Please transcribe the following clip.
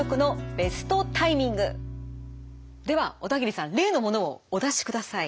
では小田切さん例のものをお出しください。